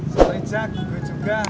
soalnya jak gue juga